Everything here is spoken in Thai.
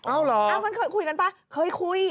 เอ้าเหรอคุยกันป่ะเคยคุย